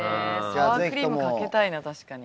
サワークリームかけたいな確かに。